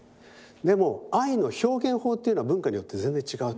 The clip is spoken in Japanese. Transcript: でも愛の表現法っていうのは文化によって全然違うと思うんですよ。